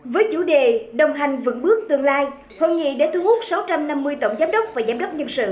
với chủ đề đồng hành vững bước tương lai hội nghị đã thu hút sáu trăm năm mươi tổng giám đốc và giám đốc nhân sự